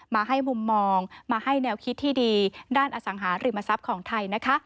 มาให้มุมมองมาให้แนวคิดที่ดีด้านอสังหาริมทรัพย์ของไทยนะคะ